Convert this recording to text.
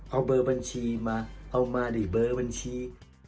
เอาเบอร์บัญชีมาเอามาดิเบอร์บัญชี